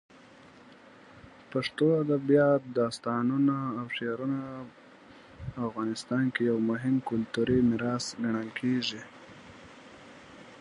پښتو ادبیات، داستانونه، او شعرونه افغانستان کې یو مهم کلتوري میراث ګڼل کېږي.